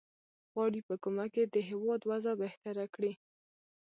غواړي په کومک یې د هیواد وضع بهتره کړي.